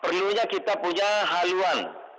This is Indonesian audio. perlunya kita punya haluan